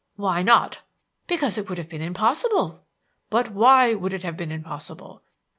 "Why not?" "Because it would have been impossible." "But why would it have been impossible?"